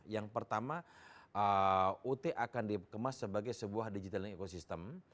yang pertama ut akan dikemas sebagai sebuah digital ecosystem